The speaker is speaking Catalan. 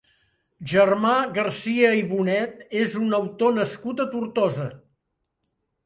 Germà García i Boned és un autor nascut a Tortosa.